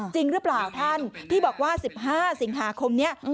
จริงหรือเปล่าท่านที่บอกว่า๑๕สิงหาคมนี้